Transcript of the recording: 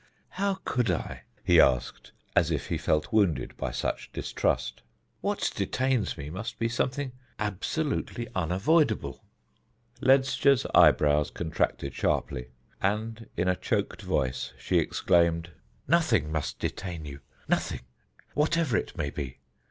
"How could I?" he asked, as if he felt wounded by such distrust. "What detains me must be something absolutely unavoidable." Ledscha's eyebrows contracted sharply, and in a choked voice she exclaimed: "Nothing must detain you nothing, whatever it may be!